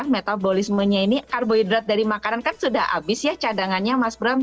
metabolismenya ini karbohidrat dari makanan kan sudah habis ya cadangannya mas bram